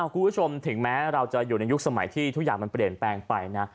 คุณผู้ชมถึงแม้เราจะอยู่ในยุคสมัยที่ทุกอย่างมันเปลี่ยนแปลงไปนะ